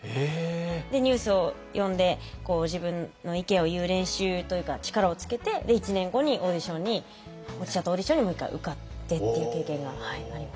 でニュースを読んで自分の意見を言う練習というか力をつけてで１年後にオーディションに落ちちゃったオーディションにもう１回受かってっていう経験があります。